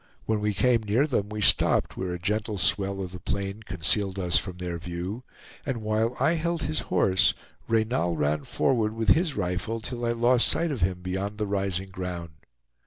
When we came near them, we stopped where a gentle swell of the plain concealed us from their view, and while I held his horse Reynal ran forward with his rifle, till I lost sight of him beyond the rising ground.